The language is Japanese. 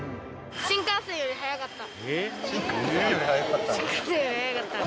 新幹線より速かった？